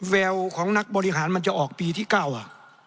แววของนักบริหารมันจะออกปีที่๙อ่ะ